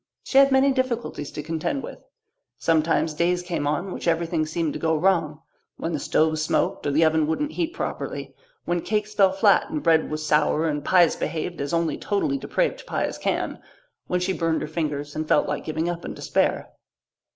She had many difficulties to contend with. Sometimes days came on which everything seemed to go wrong when the stove smoked or the oven wouldn't heat properly, when cakes fell flat and bread was sour and pies behaved as only totally depraved pies can, when she burned her fingers and felt like giving up in despair.